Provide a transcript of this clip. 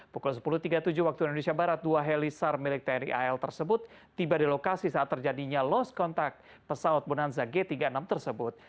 pukul sepuluh tiga puluh tujuh waktu indonesia barat dua helisar milik tni al tersebut tiba di lokasi saat terjadinya lost contact pesawat bonanza g tiga puluh enam tersebut